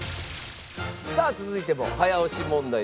さあ続いても早押し問題です。